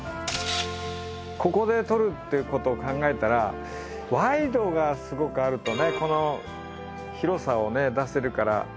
ここで撮るっていうことを考えたらワイドがすごくあるとねこの広さをね出せるから。